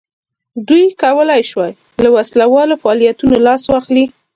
دوی کولای شوای له وسله والو فعالیتونو لاس واخلي.